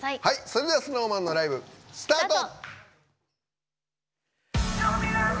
それではＳｎｏｗＭａｎライブ、スタート。